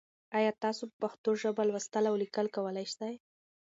ایا تاسو په پښتو ژبه لوستل او لیکل کولای سئ؟